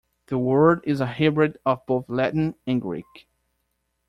The word is a hybrid of both Latin and Greek.